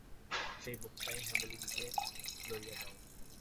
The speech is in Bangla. সেই বক্তৃতায় হেমনলিনীকে লইয়া যাও।